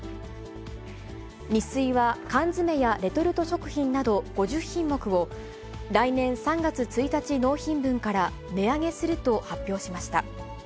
ニッスイは缶詰やレトルト食品など５０品目を、来年３月１日納品分から値上げすると発表しました。